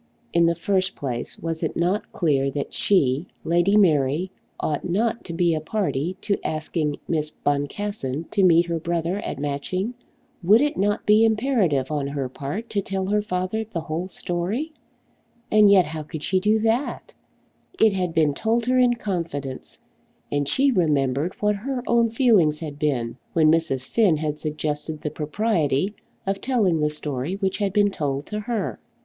In the first place was it not clear that she, Lady Mary, ought not to be a party to asking Miss Boncassen to meet her brother at Matching? Would it not be imperative on her part to tell her father the whole story? And yet how could she do that? It had been told her in confidence, and she remembered what her own feelings had been when Mrs. Finn had suggested the propriety of telling the story which had been told to her!